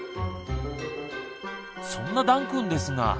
そんなだんくんですが。